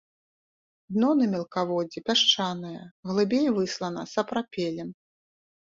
Дно на мелкаводдзі пясчанае, глыбей выслана сапрапелем.